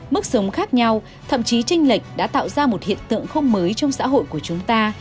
mức sống khác nhau thậm chí tranh lệch đã tạo ra một hiện tượng không mới trong xã hội của chúng ta